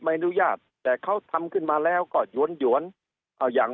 อนุญาตแต่เขาทำขึ้นมาแล้วก็หยวนหยวนเอาอย่าง